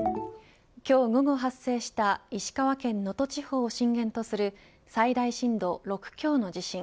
今日午後発生した石川県能登地方を震源とする最大震度６強の地震。